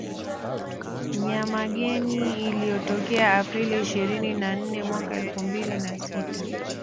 Nyamageni iliyotokea Aprili ishirini na nane mwaka elfu mbili na sita